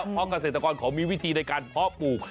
เพราะเกษตรกรเขามีวิธีในการเพาะปลูก